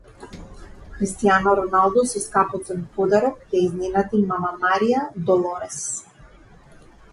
Кристијано Роналдо со скапоцен подарок ја изненади мама Марија Долорес